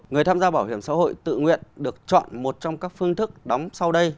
người tham gia bảo hiểm xã hội tự nguyện được chọn một trong các phương thức đóng sau đây